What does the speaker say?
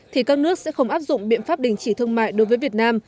thì các nước sẽ không áp dụng biện pháp đình chỉ thương mại đối với việt nam